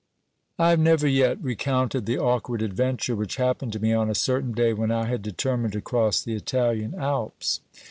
I have never yet recounted the awkward adventure which happened to me on a certain day when I had determined to cross the Italian Alps.